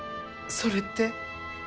それって。